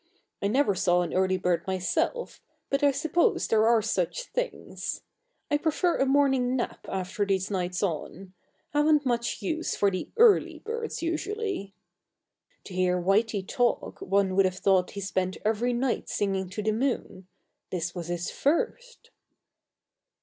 I never saw an early bird myself, but I suppose there are such things. I prefer a morning nap after these nights on. Haven't much use for early birds, usually." (To hear Whitey talk one would have thought he spent every night singing to the moon this was his first!)